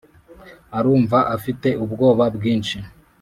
arumva afite ubwoba bwinshi